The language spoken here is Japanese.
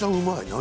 何？